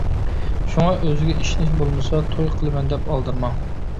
شۇڭا ئۆزىگە ئىشىنىش بولمىسا، توي قىلىمەن دەپ ئالدىرىماڭ.